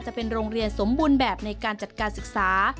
จะเป็นโรงเรียนสมบูรณ์แบบในการจัดการศึกษา